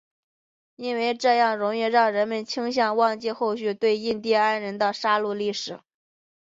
因为这样容易让人们倾向忘记后续对印第安人的杀戮历史。